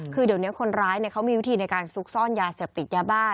คือเดี๋ยวนี้คนร้ายเขามีวิธีในการซุกซ่อนยาเสพติดยาบ้า